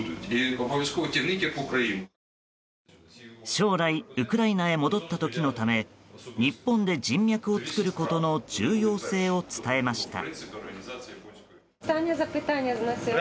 将来ウクライナへ戻った時のため日本で人脈を作ることの重要性を伝えました。